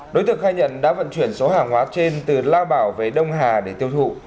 đối tượng khai nhận đã vận chuyển số hàng hóa trên từ lao bảo về đông hà để tiêu thụ